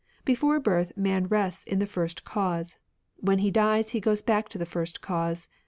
Before birth man rests in the First Cause ; when he dies he goes back to the First Cause.